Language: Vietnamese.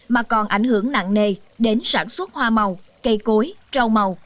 mà còn ảnh hưởng nặng nề đến sản xuất hoa màu cây cối rau màu